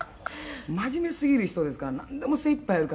「真面目すぎる人ですからなんでも精いっぱいやるからね」